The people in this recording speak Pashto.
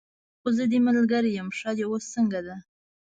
خو زه دې ملګرې یم، پښه دې اوس څنګه ده؟